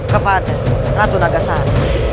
kepada ratu naga sari